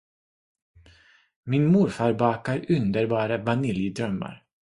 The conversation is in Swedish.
Min morfar bakar underbara vaniljdrömmar.